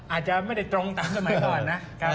อาจจะไม่ได้ตรงตามสมัยก่อนนะ